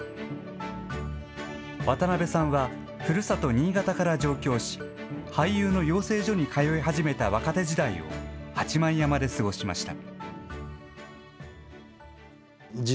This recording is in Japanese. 渡辺さんは、ふるさと新潟から上京し、俳優の養成所に通い始めた若手時代を八幡山で過ごしました。